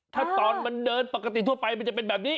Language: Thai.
ถ้าตอนมันเดินปกติทั่วไปมันจะเป็นแบบนี้